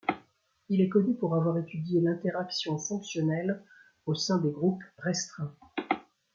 Il est connu pour avoir étudié l'interaction fonctionnelle au sein des groupes restreints.